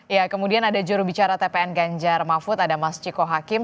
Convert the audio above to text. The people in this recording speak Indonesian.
ya kemudian ada jurubicara tpn ganjar mahfud ada mas ciko hakim